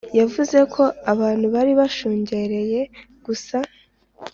yavuze ko abantu bari bashungereyegusa